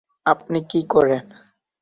আপনি কী করবেন?